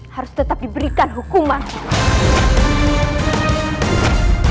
harus tetap diberikan hukumannya